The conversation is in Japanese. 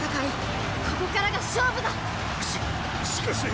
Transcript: ししかし！